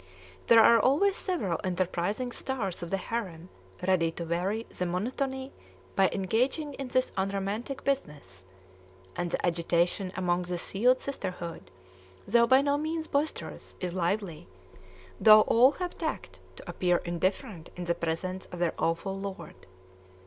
There are always several enterprising Stars of the Harem ready to vary the monotony by engaging in this unromantic business; and the agitation among the "sealed" sisterhood, though by no means boisterous, is lively, though all have tact to appear indifferent in the presence of their awful lord.